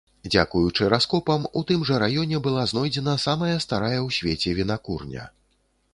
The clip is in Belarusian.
Дзякуючы раскопам у тым жа раёне была знойдзена самая старая ў свеце вінакурня.